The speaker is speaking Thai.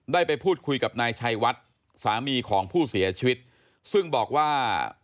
ได้ไปพูดคุยกับนายชัยวัดสามีของผู้เสียชีวิตซึ่งบอกว่า